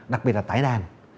đặc biệt là tái đàn